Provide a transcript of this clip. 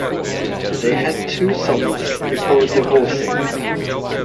They had two sons before divorcing.